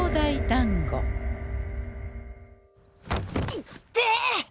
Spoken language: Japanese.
いってえ！